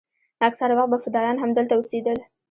اکثره وخت به فدايان همدلته اوسېدل.